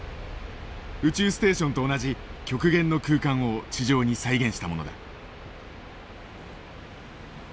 宇宙ステーションと同じ極限の空間を地上に再現したものだ。